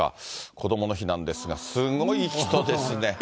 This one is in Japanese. こどもの日なんですが、すごい人ですね。